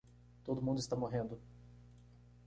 Todo mundo está morrendo